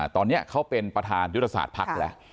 ตอนนี้เขาเป็นประธานยุทธศาสตร์ภักดิ์แล้ว